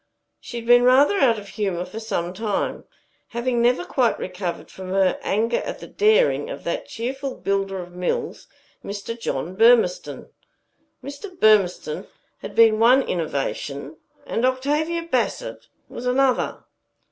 She had been rather out of humor for some time, having never quite recovered from her anger at the daring of that cheerful builder of mills, Mr. John Burmistone. Mr. Burmistone had been one innovation, and Octavia Bassett was another.